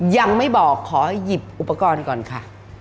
ยังไม่บอกขอหยิบอุปกรณ์ก่อนค่ะ